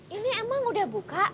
ini emang sudah buka